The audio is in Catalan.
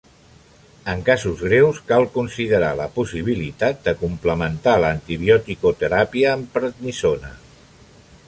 En casos greus cal considerar la possibilitat de complementar l'antibioticoteràpia amb prednisona.